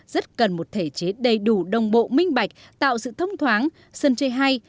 rất cần một thể chế đầy đủ đồng bộ minh bạch tạo sự thông thoáng sân chơi hay